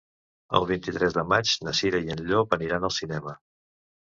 El vint-i-tres de maig na Cira i en Llop aniran al cinema.